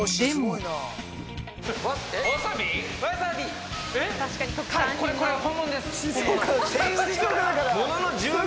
はいこれは。